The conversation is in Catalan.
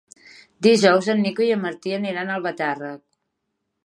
Dijous en Nico i en Martí aniran a Albatàrrec.